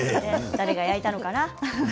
誰が焼いたのかな？